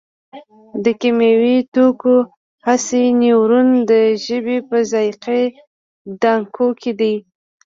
د کیمیاوي توکو حسي نیورون د ژبې په ذایقې دانکو کې دي.